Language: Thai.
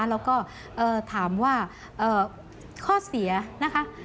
แล้วก็ถามว่าข้อเสียนะคะ